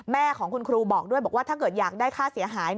แม่ของคุณครูบอกด้วยบอกว่าถ้าเกิดอยากได้ค่าเสียหาย